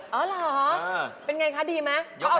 อ๋อเหรอเป็นอย่างไรคะดีไหม